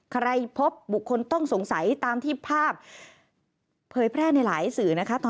ใครพบบุคคลต้องสงสัยตามที่ภาพเผยแพร่ในหลายสื่อนะคะ